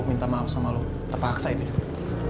minta maaf sama lo tak paksa itu juga